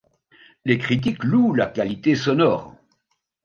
Les critiques louent la qualité sonore.